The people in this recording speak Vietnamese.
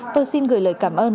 tôi xin gửi lời cảm ơn